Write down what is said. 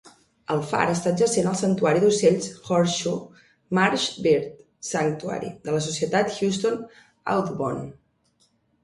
El far està adjacent al santuari d'ocells Horseshoe Marsh Bird Sanctuary de la societat Houston Audubon.